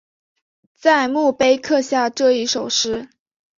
在墓碑刻下这一首诗